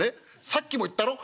さっきも言ったろ？